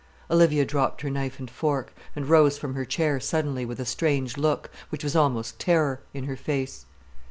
Olivia dropped her knife and fork, and rose from her chair suddenly, with a strange look, which was almost terror, in her face.